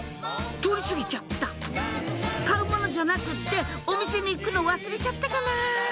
通り過ぎちゃった買うものじゃなくってお店に行くの忘れちゃったかな？